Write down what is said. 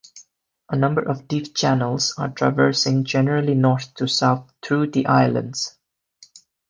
A number of deep channels are traversing generally north to south through the islands.